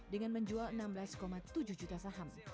dengan menjual enam belas tujuh juta saham